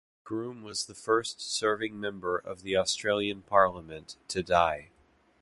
Groom was the first serving member of the Australian Parliament to die.